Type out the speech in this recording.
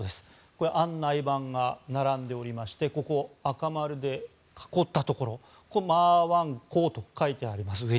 ここに案内板が並んでおりまして赤丸で囲ったところ上には媽湾港と書いてあります。